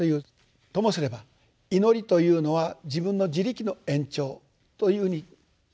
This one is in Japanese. ともすれば祈りというのは自分の自力の延長というふうに考えられる。